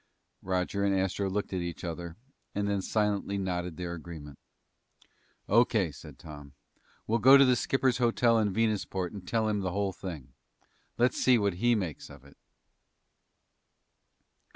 Roger and Astro looked at each other and then silently nodded their agreement. "O.K.," said Tom, "we'll go to the skipper's hotel in Venusport and tell him the whole thing. Let's see what he makes of it."